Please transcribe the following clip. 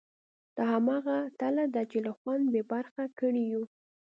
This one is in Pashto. دا همغه تله ده چې له خوند بې برخې کړي یو.